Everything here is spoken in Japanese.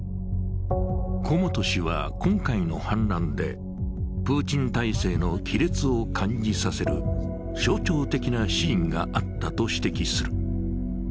古本氏は今回の反乱でプーチン体制の亀裂を感じさせる象徴的なシーンがあったと指摘する。